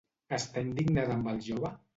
Està indignada amb el jove?